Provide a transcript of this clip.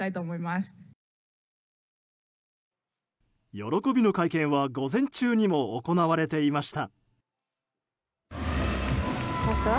喜びの会見は午前中にも行われていました。